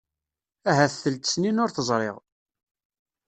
Ahat telt-snin sur t-ẓriɣ.